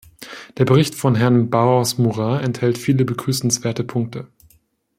Der Bericht von Herrn Barros Moura enthält viele begrüßenswerte Punkte.